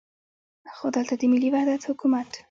خو دلته د ملي وحدت حکومت.